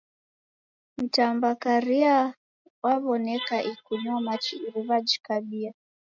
Mtambakaria waw'oneka ikunywa machi iruw'a jikabia.